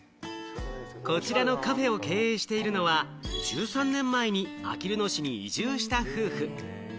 こちらのカフェを経営しているのは１３年前に、あきる野市に移住した夫婦。